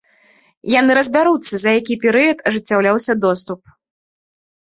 Яны разбяруцца, за які перыяд ажыццяўляўся доступ.